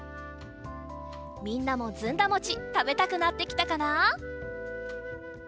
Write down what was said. みんなもずんだもちたべたくなってきたかな？